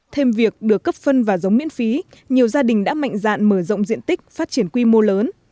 thêm việc được cấp phân và giống miễn phí nhiều gia đình đã mạnh dạn mở rộng diện tích phát triển quy mô lớn